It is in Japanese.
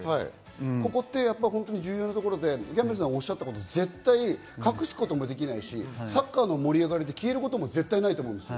ここは重要なところで、キャンベルさんがおしゃとこと、絶対、隠すこともできないし、サッカーの盛り上がりで消えることも絶対ないと思います。